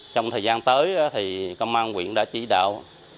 trong thời gian tới thì công an quyện đã chỉ đạo